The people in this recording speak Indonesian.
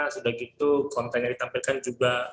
sudah gitu kontainer ditampilkan juga